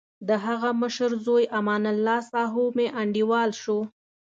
دهغه مشر زوی امان الله ساهو مې انډیوال شو.